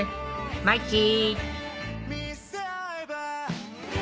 マイチー！